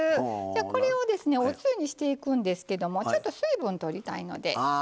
これをですねおつゆにしていくんですけどもちょっと水分取りたいので。